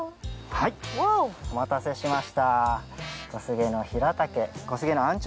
お待たせしました。